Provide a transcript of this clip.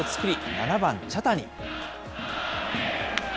７番茶谷。